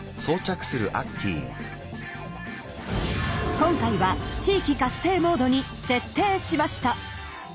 今回は地域活性モードに設定しました。